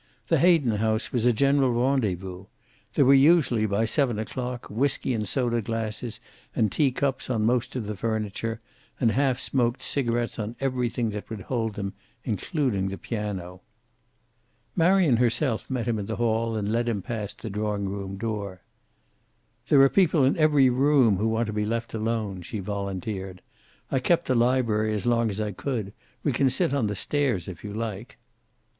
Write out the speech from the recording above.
The Hayden house was a general rendezvous. There were usually, by seven o'clock, whiskey and soda glasses and tea cups on most of the furniture, and half smoked cigarets on everything that would hold them, including the piano. Marion herself met him in the hall, and led him past the drawing room door. "There are people in every room who want to be left alone," she volunteered. "I kept the library as long as I could. We can sit on the stairs, if you like."